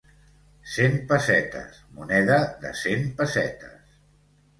Cent pessetes, moneda de cent pessetes.